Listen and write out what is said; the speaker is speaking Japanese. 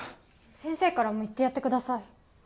先生からも言ってやってください。